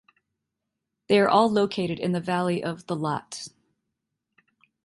They are all located in the valley of the Lot.